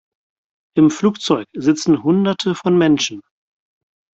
Im Flugzeug sitzen hunderte von Menschen.